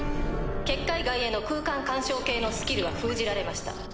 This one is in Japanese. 結界外への空間干渉系のスキルは封じられました。